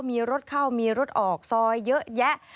มีรถเข้ามีรถออกซอยเยอะแยะ